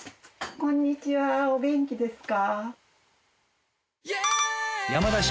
こんにちはお元気ですか？